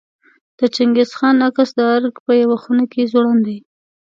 د چنګیز خان عکس د ارګ په یوه خونه کې ځوړند دی.